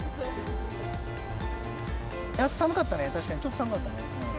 朝、寒かったね、確かにちょっと寒かったよね。